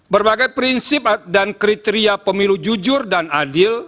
berbagai prinsip dan kriteria pemilu jujur dan adil